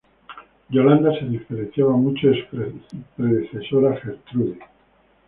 Yolanda se diferenciaba mucho de su predecesora Gertrudis.